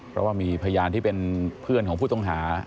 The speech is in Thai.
เพราะว่ามีพยานที่เป็นเพื่อนของผู้ต้องหา